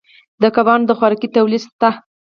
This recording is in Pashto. د کبانو د خوراکې تولید شته